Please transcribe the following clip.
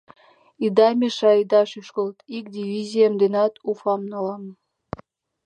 Ида мешае, ида шӱшкылт: ик дивизием денат Уфам налам...